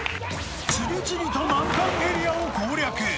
次々と難関エリアを攻略。